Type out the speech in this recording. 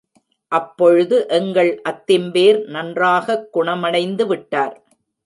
அப்பொழுது எங்கள் அத்திம்பேர் நன்றாகக் குணமடைந்துவிட்டார்.